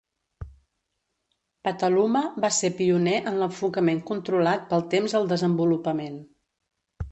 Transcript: Petaluma va ser pioner en l'enfocament controlat pel temps al desenvolupament.